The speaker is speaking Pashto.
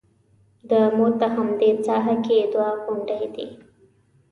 د موته همدې ساحه کې دوه غونډۍ دي.